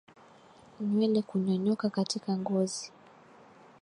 Nywele kunyonyoka katika ngozi